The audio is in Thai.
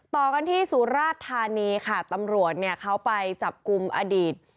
ต่อกันที่สุราชธานีค่ะตำรวจเนี่ยเขาไปจับกลุ่มอดีต